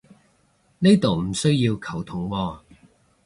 呢度唔需要球僮喎